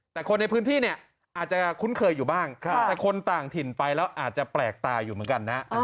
แต่คนในพื้นที่เนี่ยอาจจะคุ้นเคยอยู่บ้างแต่คนต่างถิ่นไปแล้วอาจจะแปลกตาอยู่เหมือนกันนะ